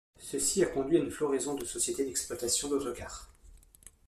Ceci a conduit à une floraison de sociétés d'exploitation d'autocars.